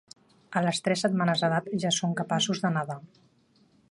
A les tres setmanes d'edat, ja són capaços de nedar.